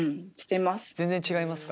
全然違いますか？